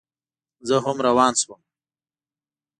زه هم روان شوم.